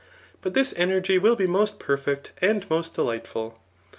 But this energy will be most perfect and most delightful.